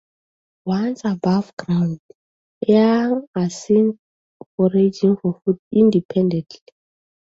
Once above ground, young are seen foraging for food independently.